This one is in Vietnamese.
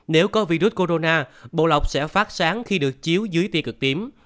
nếu có virus corona bộ lọc sẽ phát sáng khi được chiếu dưới ti cực tím